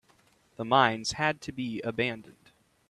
The mines had to be abandoned.